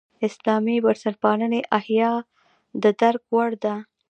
اسلامي بنسټپالنې احیا د درک وړ ده.